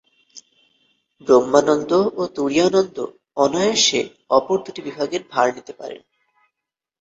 ব্রহ্মানন্দ ও তুরীয়ানন্দ অনায়াসে অপর দুটি বিভাগের ভার নিতে পারেন।